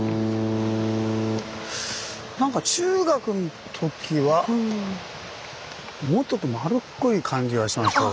なんか中学んときはもうちょっと丸っこい感じがしたんですけど。